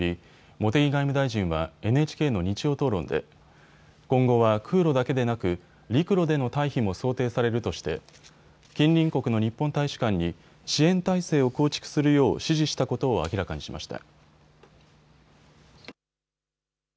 茂木外務大臣はＮＨＫの日曜討論で今後は空路だけでなく陸路での退避も想定されるとして近隣国の日本大使館に支援体制を構築するよう指示したことを明らかにしました。